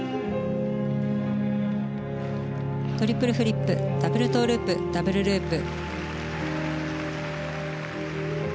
トリプルフリップダブルトウループダブルループ。